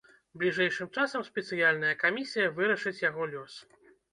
Бліжэйшым часам спецыяльная камісія вырашыць яго лёс.